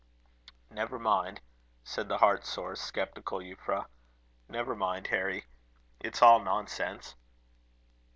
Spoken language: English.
"Never mind," said the heart sore, sceptical Euphra; "never mind, Harry; it's all nonsense."